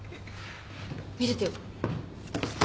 見せてよ。